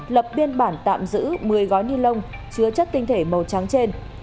lập biên bản tạm giữ một mươi gói ni lông chứa chất tinh thể màu trắng trên